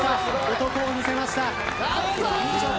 男を見せました。